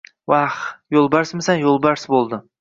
Vah! Yo‘lbarsmisan yo‘lbars bo‘ldi!